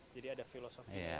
jadi ada filosofi